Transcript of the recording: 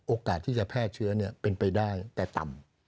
โอกาสที่จะแพร่เชื้อเป็นไปได้แต่ต่ำ